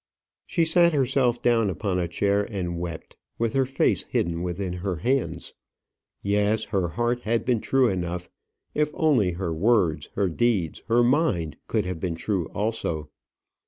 She sat herself down upon a chair, and wept, with her face hidden within her hands. Yes, her heart had been true enough; if only her words, her deeds, her mind could have been true also.